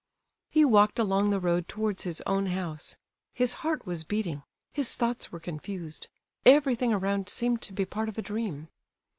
He walked along the road towards his own house. His heart was beating, his thoughts were confused, everything around seemed to be part of a dream.